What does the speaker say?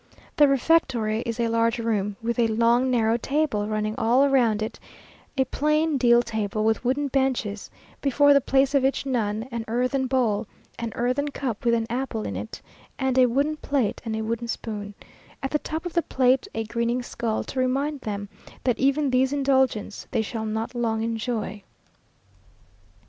The refectory is a large room, with a long narrow table running all round it a plain deal table, with wooden benches; before the place of each nun, an earthen bowl, an earthen cup with an apple in it, a wooden plate and a wooden spoon; at the top of the table a grinning skull, to remind them that even these indulgences they shall not long enjoy.